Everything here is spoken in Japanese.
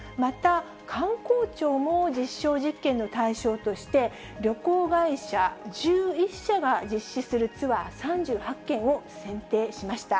また、観光庁も実証実験の対象として、旅行会社１１社が実施するツアー３８件を選定しました。